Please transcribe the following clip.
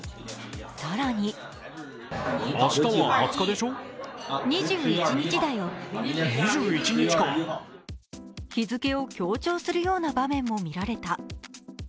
更に日付を強調するような場面も見られた。